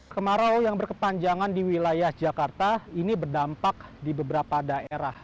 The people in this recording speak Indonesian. kemarau yang berkepanjangan di wilayah jakarta ini berdampak di beberapa daerah